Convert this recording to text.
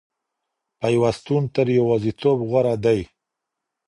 پيوستون تر يوازيتوب غوره دی.